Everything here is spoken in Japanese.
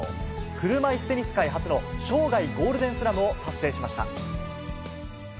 車いすテニス界初の生涯ゴールデンスラムを達成しました。